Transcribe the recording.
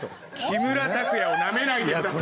木村拓哉をナメないでください。